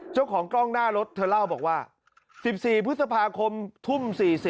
เจ้าของกล้องหน้ารถเธอเล่าบอกว่า๑๔พฤษภาคมทุ่ม๔๐